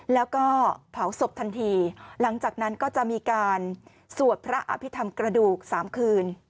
แล้วก็เผาศพทันทีหลังจากนั้นก็จะมีการสวดพระอภิษฐรรมกระดูก๓คืน